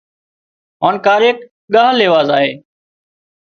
هانَ ڪاريڪ ڳاه ليوا زائي